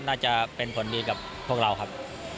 น่าจะเป็นผลดีกับพวกเราครับ